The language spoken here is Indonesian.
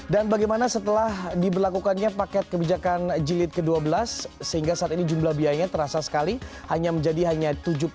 dan bagaimana setelah diberlakukannya paket kebijakan jilid ke dua belas sehingga saat ini jumlah biayanya terasa sekali hanya menjadi hanya tujuh puluh dua